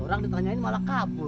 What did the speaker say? orang ditanyain malah kabur